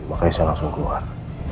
makanya saya langsung keluar